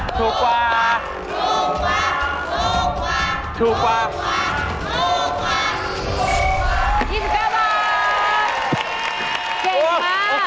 ถูกกว่า